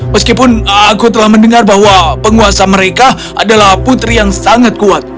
meskipun aku telah mendengar bahwa penguasa mereka adalah putri yang sangat kuat